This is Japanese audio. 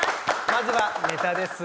まずはネタです。